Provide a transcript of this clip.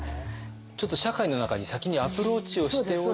ちょっと社会の中に先にアプローチをしておいて。